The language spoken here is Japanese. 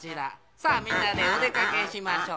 さあみんなでおでかけしましょう。